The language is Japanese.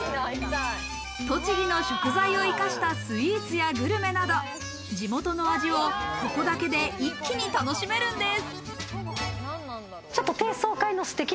栃木の食材を生かしたスイーツやグルメなど、地元の味をここだけで一気に楽しめるんです。